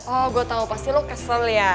oh gue tau pasti lo kesel ya